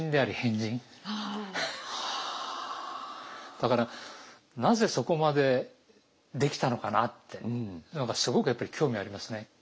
だからなぜそこまでできたのかなっていうのがすごくやっぱり興味がありますね。